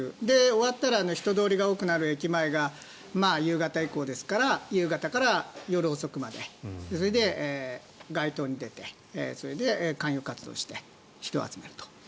終わったら人通りが多くなる駅前が夕方以降ですから夕方から夜遅くまでそれで街頭に出てそれで勧誘活動して人を集めると。